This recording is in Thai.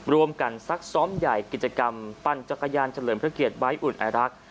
รวมกันซักซ้อมใหญ่กิจกรรมปั่นจักรยานเฉลิมพระเกียรติไว้อุ่นไอรักษ์